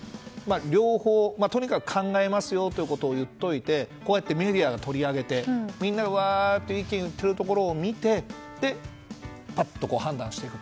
両方、とにかく考えますよと言っておいてこうやってメディアが取り上げてみんなが、うわーっと意見を言っているところを見てぱっと判断していく。